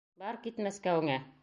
Бар кит Мәскәүеңә!